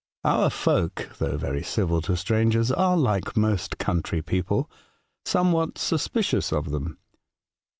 Our folk, though very civil to strangers, are, like most country people, somewhat suspicious of them.